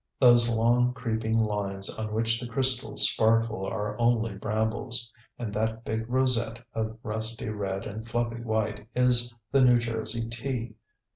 Those long creeping lines on which the crystals sparkle are only brambles, and that big rosette of rusty red and fluffy white is the New Jersey tea.